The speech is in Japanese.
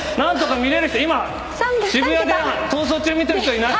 今、渋谷で「逃走中」見てる人いない？